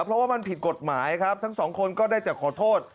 เพราะว่ามันผิดกฎหมายครับทั้งสองคนก็ได้แต่ขอโทษ